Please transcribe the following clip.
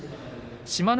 志摩ノ